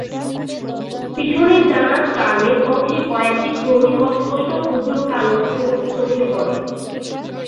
পিছনের ডানার টার্মেন অংশে কয়েকটি ক্রমিক অস্পষ্ট ক্ষুদ্র কালো ছোপ চোখে পড়ে।